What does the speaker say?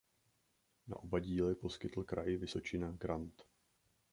Na oba díly poskytl kraj Vysočina grant.